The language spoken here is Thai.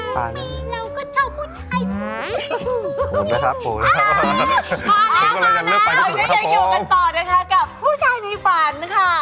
พอแล้วพอแล้วยังอยู่กันต่อนะคะกับผู้ชายในฝันนะคะ